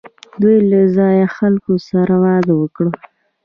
دوی له ځايي خلکو سره واده وکړ